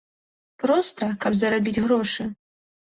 Проста, каб зарабіць грошы.